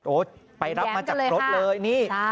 โอ๊ยไปรับมาจากกรดเลยนี่